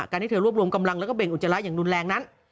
ที่เธอรวบรวมกำลังแล้วก็เบ่งอุจจาระอย่างรุนแรงนั้น